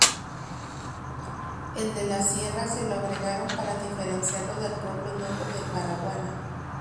El "de la Sierra" se lo agregaron para diferenciarlo de Pueblo Nuevo de Paraguaná.